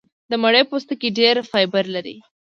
د مڼې پوستکی ډېر فایبر لري.